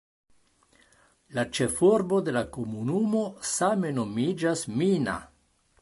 La ĉefurbo de la komunumo same nomiĝas "Mina".